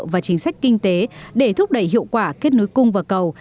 và chính sách kinh tế để thúc đẩy hiệu quả kết nối cung và cầu